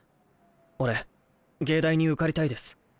俺藝大に受かりたいです。